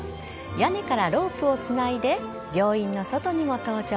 屋根からロープをつないで病院の外にも登場。